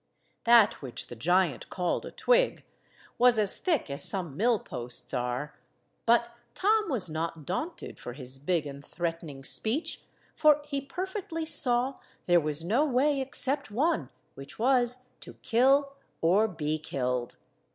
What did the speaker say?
That which the giant called a twig was as thick as some mill–posts are, but Tom was not daunted for his big and threatening speech, for he perfectly saw there was no way except one, which was to kill or be killed.